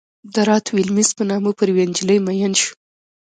د رات ویلیمز په نامه پر یوې نجلۍ مین شو.